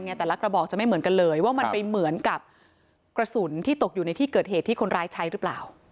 แต่ละกระบอกจะไม่เหมือนกันเลยว่ามันไปเหมือนกับกระสุนที่ตกอยู่ในที่เกิดเหตุที่คนร้ายใช้หรือเปล่า